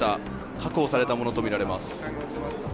確保されたものとみられます。